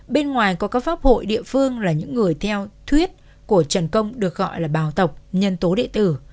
bên ngoài có các pháp hội địa phương là những người theo thuyết của trần công được gọi là bào tộc nhân tố địa tử